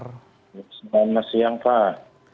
selamat siang pak